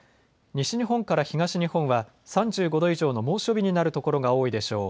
西日本から東日本は３５度以上の猛暑日になるところが多いでしょう。